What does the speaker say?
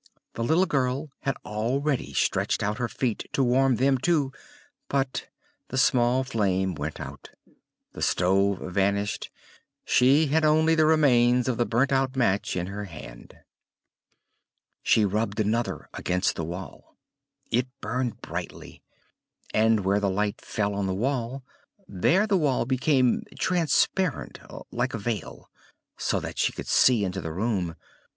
The little girl had already stretched out her feet to warm them too; but the small flame went out, the stove vanished: she had only the remains of the burnt out match in her hand. She rubbed another against the wall: it burned brightly, and where the light fell on the wall, there the wall became transparent like a veil, so that she could see into the room.